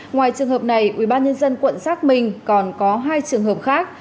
ngoài trường hợp này ubnd quận xác minh còn có hai trường hợp khác